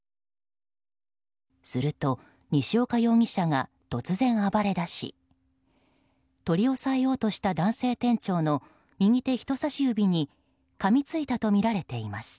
すると西岡容疑者が突然、暴れ出し取り押さえようとした男性店長の右手人差し指にかみついたとみられています。